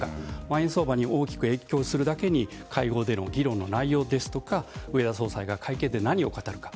円相場に大きく影響するだけに会合での議論の内容ですとか植田総裁が会見で何を語るか